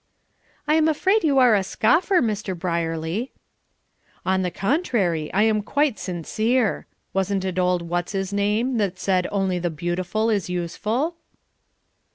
"I am afraid you are a scoffer, Mr. Brierly." "On the contrary, I am quite sincere. Wasn't it old what's his name that said only the beautiful is useful?"